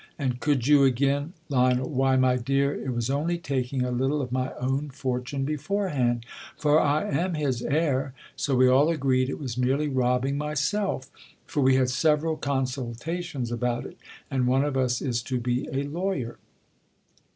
And could you again * Lion,. Why, my dear, it was only taking a little of my own fortune beforehand, for I am his heir; so we all agreed it was merely robbing myself ; for we had sevei'al consultations about it ; and one of us is to be a ?awycr..